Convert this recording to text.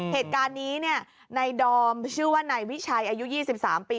เหตุการณ์นี้นายดอมชื่อว่านายวิชัยอายุ๒๓ปี